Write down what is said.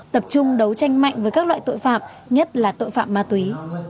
tập trung đấu tranh mạnh với các loại tội phạm nhất là tội phạm ma túy